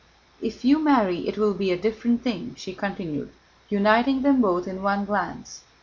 "If you marry it will be a different thing," she continued, uniting them both in one glance.